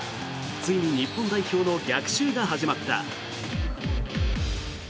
ついに日本代表の逆襲が始まった。